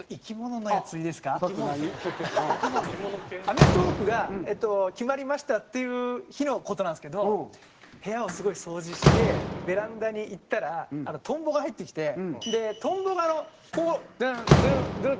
『アメトーーク』が決まりましたっていう日の事なんですけど部屋をすごい掃除してベランダに行ったらトンボが入ってきてトンボがこうドゥンドゥン